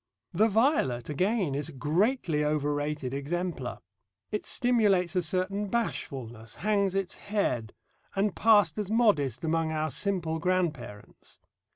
The violet, again, is a greatly overrated exemplar. It stimulates a certain bashfulness, hangs its head, and passed as modest among our simple grandparents.